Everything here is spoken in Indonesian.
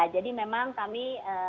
jadi memang kami